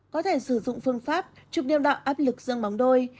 có thể sử dụng phương pháp chụp niệm đạo áp lực dương bóng đôi